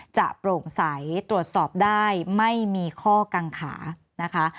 โปร่งใสตรวจสอบได้ไม่มีข้อกังขานะคะ